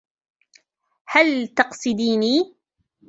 هل تقصديني ؟